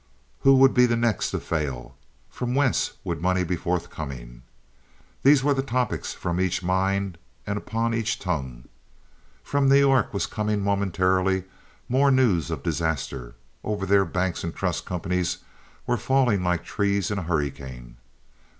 Who would be the next to fail? From whence would money be forthcoming? These were the topics from each mind and upon each tongue. From New York was coming momentarily more news of disaster. Over there banks and trust companies were falling like trees in a hurricane.